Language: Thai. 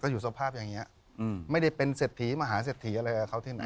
อยู่สภาพอย่างนี้ไม่ได้เป็นเศรษฐีมหาเศรษฐีอะไรกับเขาที่ไหน